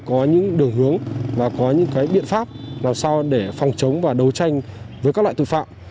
có những đường hướng và có những biện pháp làm sao để phòng chống và đấu tranh với các loại tội phạm